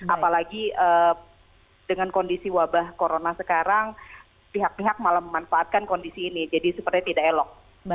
apalagi dengan kondisi wabah corona sekarang pihak pihak malah memanfaatkan kondisi ini jadi sepertinya tidak elok